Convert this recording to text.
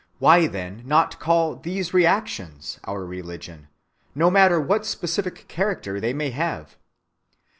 Why then not call these reactions our religion, no matter what specific character they may have?